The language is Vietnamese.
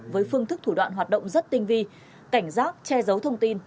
với phương thức thủ đoạn hoạt động rất tinh vi cảnh giác che giấu thông tin